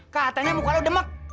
katanya muka lo demak